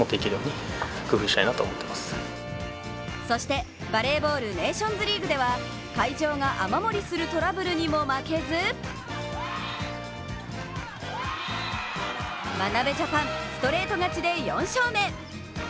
そして、バレーボール・ネーションズリーグでは会場が雨漏りするトラブルにも負けず眞鍋ジャパン、ストレート勝ちで４勝目。